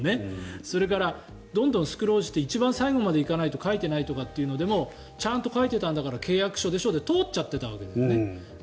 それからどんどんスクロールして一番最後まで行かないと書いてないようなことでもちゃんと書いてたんだからで通っちゃってたわけだから。